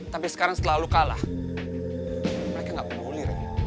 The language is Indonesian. tapi sekarang setelah lo kalah mereka gak mau nolir ya